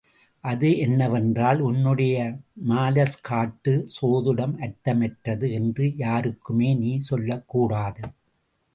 அது என்னவென்றால், உன்னுடைய மாலஸ்கார்டு சோதிடம் அர்த்தமற்றது என்று யாருக்குமே நீ சொல்லக்கூடாது.